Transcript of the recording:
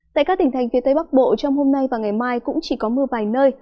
tại các tỉnh thành phía tây bắc bộ trong hôm nay và ngày mai cũng chỉ có mưa vài nơi